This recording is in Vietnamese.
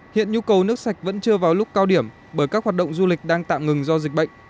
hiện nhu cầu nước sạch vẫn chưa vào lúc cao điểm bởi các hoạt động du lịch đang tạm ngừng do dịch bệnh